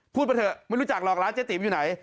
ไปเถอะไม่รู้จักหรอกร้านเจ๊ติ๋มอยู่ไหน